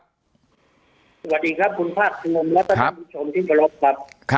สวัสดีครับคุณภาคภูมิและท่านผู้ชมที่เคารพครับ